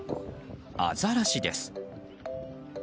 アザラシです。